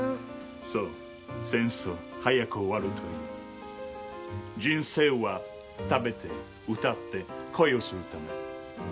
「そう戦争早く終わるといい」「人生は食べて歌って恋をするため」